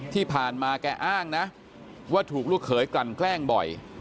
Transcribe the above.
ที่ผ่านมาแกอ้างนะว่าถูกลูกเขยกลั่นแกล้งบ่อย